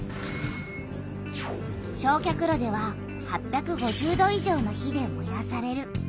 焼却炉では８５０度以上の火でもやされる。